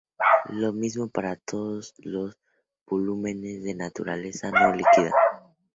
Lo mismo para todos los volúmenes de naturaleza no líquida.